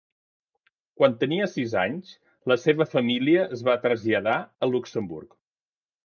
Quan tenia sis anys, la seva família es va traslladar a Luxemburg.